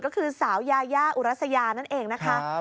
ก็คือสาวยายาอุรัสยานั่นเองนะคะ